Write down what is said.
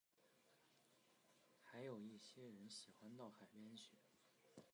還有一些人喜歡到海邊去